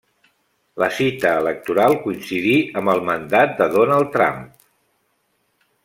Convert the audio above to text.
La cita electoral coincidí amb el mandat de Donald Trump.